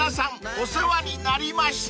お世話になりました］